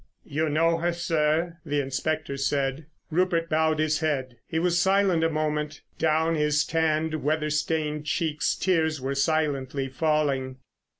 "You know her, sir?" the inspector said. Rupert bowed his head. He was silent a moment. Down his tanned, weather stained cheeks tears were silently falling.